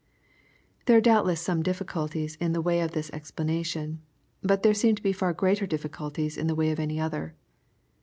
There are doubtless some difficulties in the way of this expla^ nation. But there seem to be far greater difficulties in the way of any other.